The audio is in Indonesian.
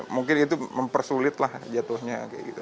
mungkin itu mempersulitlah jatuhnya